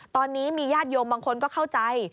ตอนนี้มีญาติโยมบางคนก็เข้าใจ